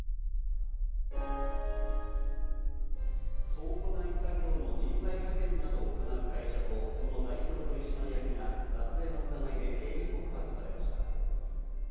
倉庫内作業の人材派遣などを行う会社とその代表取締役が脱税の疑いで刑事告発されました。